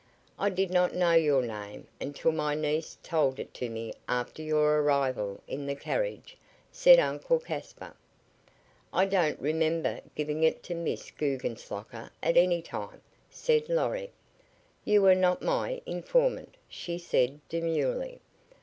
"I did not know your name until my niece told it to me after your arrival in the carriage," said Uncle Caspar. "I don't remember giving it to Miss Guggenslocker at any time," said Lorry. "You were not my informant," she said, demurely.